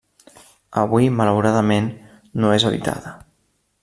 Avui, malauradament, no és habitada.